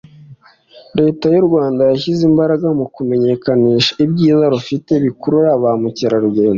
Leta y’u Rwanda yashyize imbaraga mu kumenyekanisha ibyiza rufite bikurura ba mukerarugendo